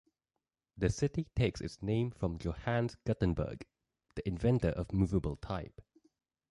The city takes its name from Johannes Gutenberg, the inventor of movable type.